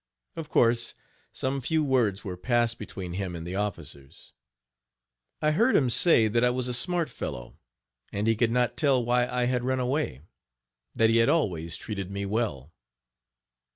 Of course, some few words were passed between him and the officers. I heard him say that I was a smart fellow, and he could not tell why I had run away; that he had always treated me well.